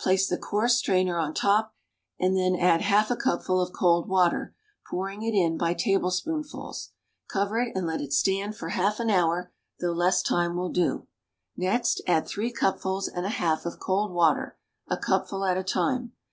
Place the coarse strainer on top, and then add half a cupful of cold water, pouring it in by tablespoonfuls. Cover it and let it stand for half an hour, though less time will do. Next add three cupfuls and a half of cold water, a cupful at a time.